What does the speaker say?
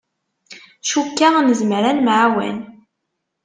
Cukkeɣ nezmer ad nemεawan.